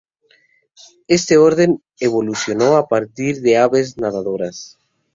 Este orden evolucionó a partir de aves nadadoras.